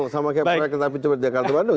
sama kayak proyek yang tadi di jakarta bandung